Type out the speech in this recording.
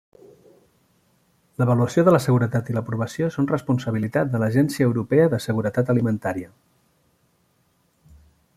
L'avaluació de la seguretat i l'aprovació són responsabilitat de l'Agència Europea de Seguretat Alimentària.